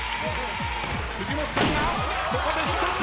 藤本さんがここで１つ。